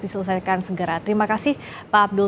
diselesaikan segera terima kasih pak abdul